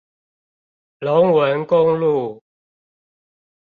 龍汶公路